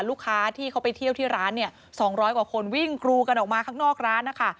ลูกค้าที่เขาไปเที่ยวที่ร้านเนี่ย๒๐๐กว่าคนวิ่งกรูกันออกมาข้างนอกร้านนะคะ